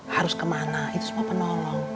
harus kemana itu semua penolong